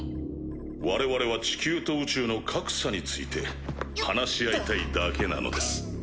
我々は地球と宇宙の格差について話し合いたいだけなのです。